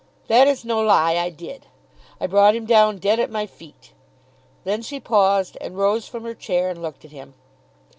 That is no lie. I did. I brought him down dead at my feet." Then she paused, and rose from her chair, and looked at him.